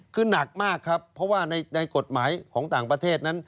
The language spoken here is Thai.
คือหนักมากครับเพราะว่าในกฎหมายของต่างประเทศนั้น